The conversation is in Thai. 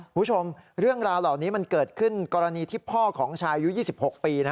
คุณผู้ชมเรื่องราวเหล่านี้มันเกิดขึ้นกรณีที่พ่อของชายอายุ๒๖ปี